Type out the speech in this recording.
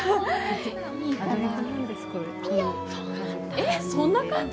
えっ、そんな感じ？